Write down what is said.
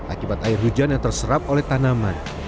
akibat air hujan yang terserap oleh tanaman